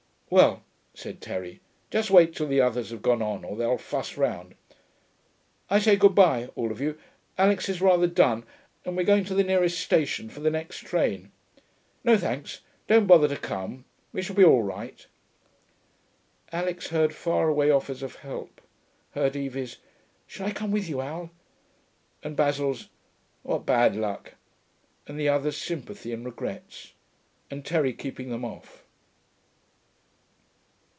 'Well,' said Terry, 'just wait till the others have gone on, or they'll fuss round.... I say, good bye, all of you; Alix is rather done, and we're going to the nearest station for the next train. No thanks, don't bother to come; we shall be all right.' Alix heard far away offers of help; heard Evie's 'Shall I come with you, Al?' and Basil's 'What bad luck,' and the others' sympathies and regrets, and Terry keeping them off.